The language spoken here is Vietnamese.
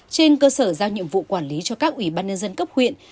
trên cơ sở giao nhiệm vụ quản lý cho các ủy ban nhân dân cấp huyện